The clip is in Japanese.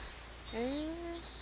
え。